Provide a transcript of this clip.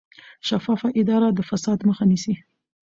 شفافه اداره د فساد مخه نیسي